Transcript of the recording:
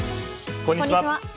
こんにちは。